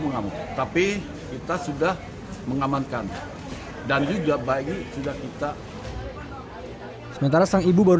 hai tapi kita sudah mengamankan dan juga bayi sudah kita sementara sang ibu baru